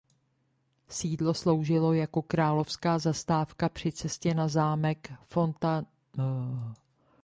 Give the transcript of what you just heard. Sídlo sloužilo jako královská zastávka při cestě na zámek Fontainebleau.